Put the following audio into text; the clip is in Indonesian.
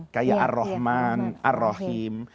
kayak ar rahman ar rahim